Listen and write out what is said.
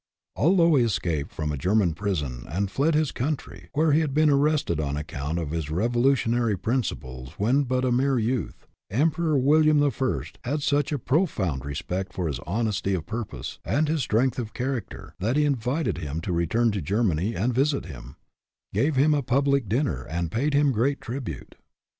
Although he escaped from a German prison and fled his country, where he had been arrested on account of his revolu tionary principles when but a mere youth, Emperor William the First had such a pro found respect for his honesty of purpose and his strength of character that he invited him to return to Germany and visit him, gave him a public dinner, and paid him great tribute.